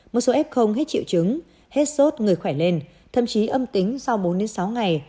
một số f hết triệu chứng hết sốt người khỏe lên thậm chí âm tính sau bốn sáu ngày